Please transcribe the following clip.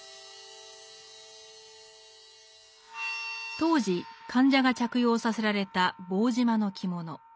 当時患者が着用させられた棒縞の着物。